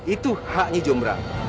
itu hak nyi jombrang